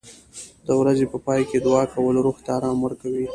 د ورځې په پای کې دعا کول روح ته آرام ورکوي.